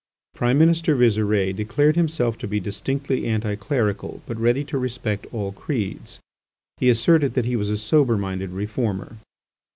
Prime Minister Visire declared himself to be distinctly anticlerical but ready to respect all creeds; he asserted that he was a sober minded reformer.